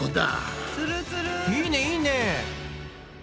いいねいいね！